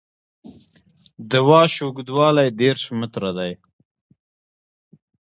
د واش اوږدوالی دېرش متره دی